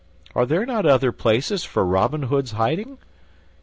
Are there not other places for Robin Hood's hiding?